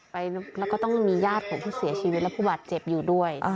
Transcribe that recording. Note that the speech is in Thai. แล้วก็ต้องมีญาติของผู้เสียชีวิตและผู้บาดเจ็บอยู่ด้วย